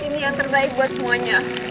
ini yang terbaik buat semuanya